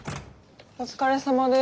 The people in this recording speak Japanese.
お疲れさまです。